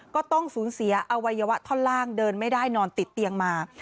ก็ต้องสูญเสียอวัยวะท่อนล่างเดินไม่ได้นอนติดเตียงมา